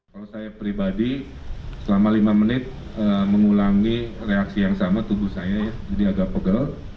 kalau saya pribadi selama lima menit mengulangi reaksi yang sama tubuh saya jadi agak pegel